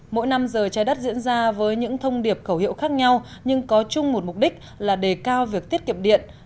mỗi năm giờ trái đất diễn ra với những thông điệp khẩu hiệu khác nhau nhưng có chung một mục đích là đề cao việc tiết kiệm điện